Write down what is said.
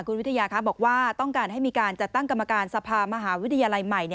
คุณวิทยาคะบอกว่าต้องการให้มีการจัดตั้งกรรมการสภามหาวิทยาลัยใหม่